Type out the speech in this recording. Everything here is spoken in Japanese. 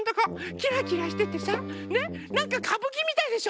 キラキラしててさねなんかかぶきみたいでしょ。